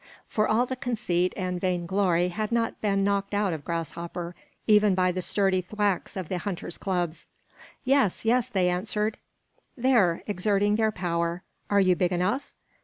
For all the conceit and vain glory had not been knocked out of Grasshopper, even by the sturdy thwacks of the hunters' clubs. "Yes, yes," they answered. "There," exerting their power, "are you big enough?"